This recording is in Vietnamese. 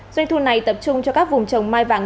doanh thu này tập trung cho các vùng trồng mai vàng